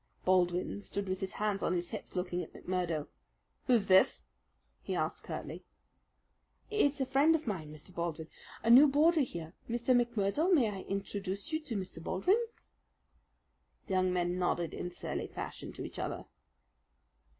Baldwin stood with his hands on his hips looking at McMurdo. "Who is this?" he asked curtly. "It's a friend of mine, Mr. Baldwin, a new boarder here. Mr. McMurdo, may I introduce you to Mr. Baldwin?" The young men nodded in surly fashion to each other.